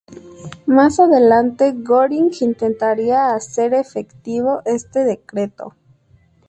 Más adelante Göring intentaría hacer efectivo este decreto.